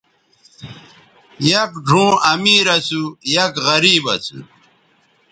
یک ڙھؤں امیر اسُو ،یک غریب اسُو